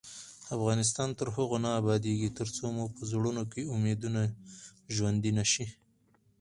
افغانستان تر هغو نه ابادیږي، ترڅو مو په زړونو کې امیدونه ژوندۍ نشي.